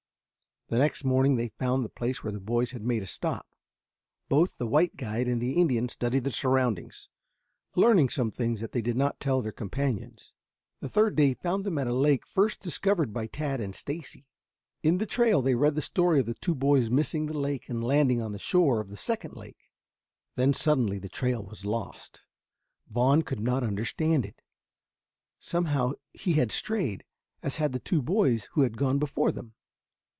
The next morning they found the place where the boys had made a stop. Both the white guide and the Indian studied the surroundings, learning some things that they did not tell their companions. The third day found them at the lake first discovered by Tad and Stacy. In the trail they read the story of the two boys missing the lake and landing on the shore of the second lake. Then suddenly the trail was lost. Vaughn could not understand it. Somehow he had strayed, as had the two boys who had gone before them.